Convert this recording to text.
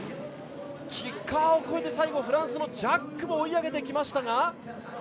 キッカーを越えて最後、フランスのジャックも追い上げてきましたが。